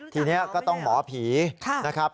ทีนี้ก็ต้องหมอผีนะครับ